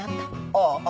ああ。